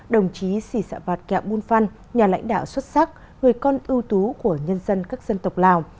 đồng chí sĩ dạ vạt kẹo bùn phăn nhà lãnh đạo xuất sắc người con ưu tú của nhân dân các dân tộc lào